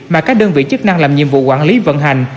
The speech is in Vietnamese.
mà các đơn vị chức năng làm nhiệm vụ quản lý vận hành